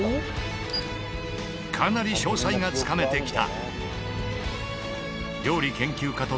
かなり詳細がつかめてきた。